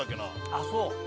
あっそう。